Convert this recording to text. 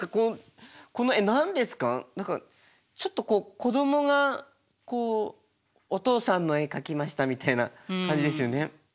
何かちょっとこう子どもがお父さんの絵描きましたみたいな感じですよね。